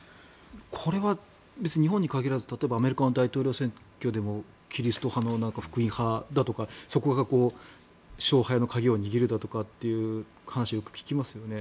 これは別に日本に限らず例えばアメリカの大統領選挙でもキリスト教の福音派だとかそこが勝敗の鍵を握るだとかっていう話をよく聞きますよね。